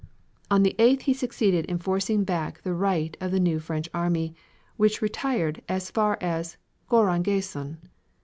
On the 8th he succeeded in forcing back the right of the new French army, which retired as far as Gouragancon.